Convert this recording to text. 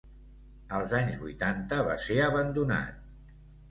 Als anys vuitanta va ser abandonat.